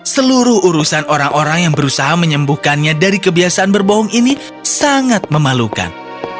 seluruh urusan orang orang yang berusaha menyembuhkannya dari kebiasaan berbohong ini sangat memalukan